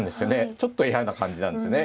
ちょっと嫌な感じなんですよね。